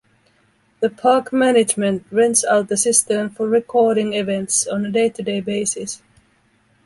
The Park management rents out the cistern for recording events, on a day-to-day basis.